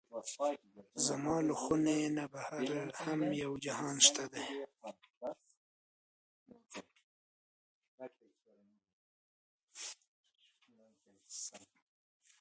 زما له خونې نه بهر هم یو جهان شته دی.